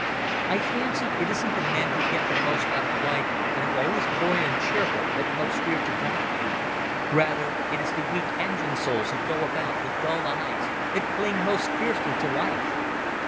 I fancy it isn't the men who get most out of the world and are always buoyant and cheerful that most fear to die. Rather it is the weak engined souls who go about with dull eyes, that cling most fiercely to life.